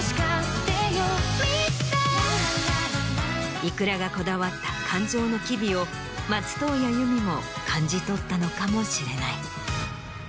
ｉｋｕｒａがこだわった感情の機微を松任谷由実も感じ取ったのかもしれない。